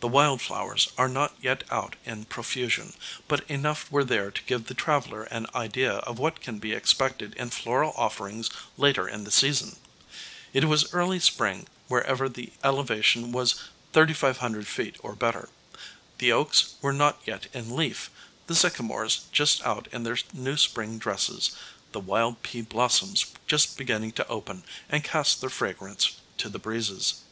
The wild flowers are not yet out in profusion, but enough were there to give the traveler an idea of what can be expected in floral offerings later in the season. It was early Spring wherever the elevation was 3500 feet or better. The oaks were not yet in leaf, the sycamores just out in their new spring dresses, the wild pea blossoms just beginning to open and cast their fragrance to the breezes.